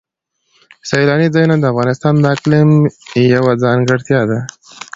سیلاني ځایونه د افغانستان د اقلیم یوه ځانګړتیا ده.